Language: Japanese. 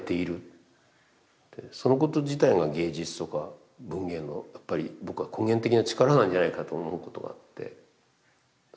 そのこと自体が芸術とか文芸のやっぱり僕は根源的な力なんじゃないかと思うことがあってそれを感じます